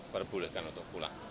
perbolehkan untuk pulang